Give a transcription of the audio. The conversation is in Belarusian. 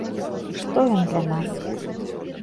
Што ён для нас?